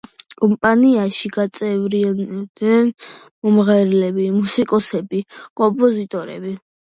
კომპანიაში გაწევრიანდნენ მომღერლები, მუსიკოსები, კომპოზიტორები.